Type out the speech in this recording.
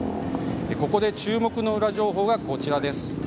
ここで注目のウラ情報がこちらです。